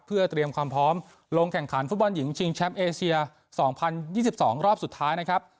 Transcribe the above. เพื่อเตรียมความพร้อมลงแข่งขันฟุตบอลหญิงชิงแชมป์เอเชีย๒๐๒๒รอบสุดท้ายนะครับ